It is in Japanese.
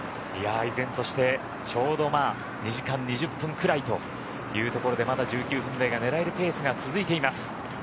依然としてちょうど２時間２０分くらいというところでまだ１９分台が狙えるペースが続いています。